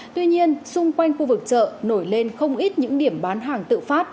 tuy nhiên xung quanh khu vực chợ nổi lên không ít những điểm bán hàng tự phát